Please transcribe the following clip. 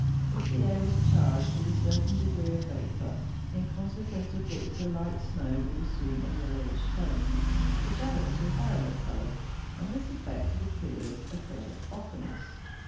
If the air was charged with a certain degree of vapour, in consequence of which the light snow would assume a yellowish tone, the shadows were violet coloured, and this effect, it appears, occurred oftenest.